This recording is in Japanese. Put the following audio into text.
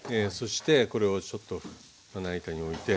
これをちょっとまな板において。